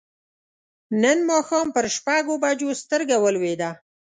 نن ماښام پر شپږو بجو سترګه ولوېده.